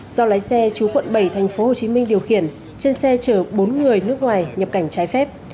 do lái xe chú quận bảy thành phố hồ chí minh điều khiển trên xe chờ bốn người nước ngoài nhập cảnh trái phép